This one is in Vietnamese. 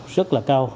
rất là cao